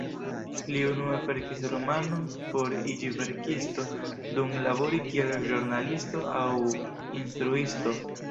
Li unue verkis romanon por iĝi verkisto dum labori kiel ĵurnalisto aŭ instruisto.